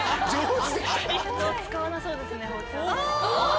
社長使わなそうですね包丁。